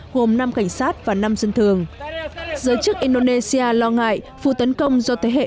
gồm năm cảnh sát và năm dân thường giới chức indonesia lo ngại vụ tấn công do thế hệ